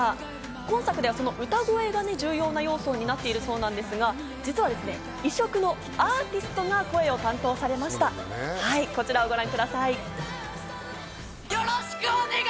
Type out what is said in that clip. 今作ではその歌声が重要な要素になっているそうなんですが、実は異色のアーティストが声を担当されました、こちらをご覧ください。